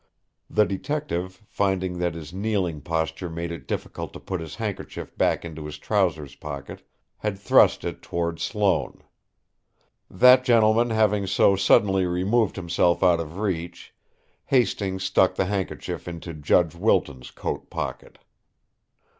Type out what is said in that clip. The detective, finding that his kneeling posture made it difficult to put his handkerchief back into his trousers pocket, had thrust it toward Sloane. That gentleman having so suddenly removed himself out of reach, Hastings stuck the handkerchief into Judge Wilton's coat pocket.